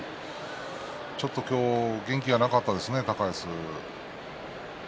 ちょっと今日元気がなかったですね、高安。